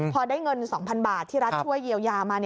พอได้เงิน๒๐๐๐บาทที่รัฐช่วยเยียวยามา